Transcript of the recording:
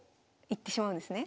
いってしまうんですね。